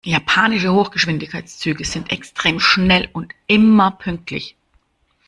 Japanische Hochgeschwindigkeitszüge sind extrem schnell und immer pünktlich.